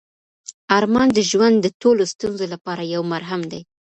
ارمان د ژوند د ټولو ستونزو لپاره یو مرهم دی.